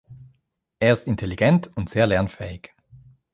Er ist intelligent und sehr lernfähig.